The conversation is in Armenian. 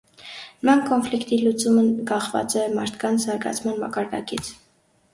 Նման կոնֆլիկտի լուծումը կախված է մարդկանց զարգացման մակարդակից։